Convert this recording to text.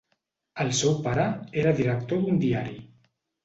El seu pare era director d'un diari.